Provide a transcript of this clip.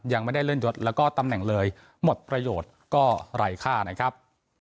ยังไม่ได้เลื่อนยศแล้วก็ตำแหน่งเลยหมดประโยชน์ก็ไร้ค่านะครับ